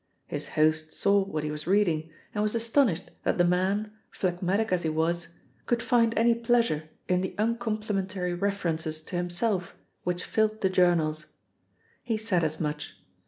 His host saw what he was reading, and was astonished that the man, phlegmatic as he was, could find any pleasure in the uncomplimentary references to himself which filled the journals. He said as much.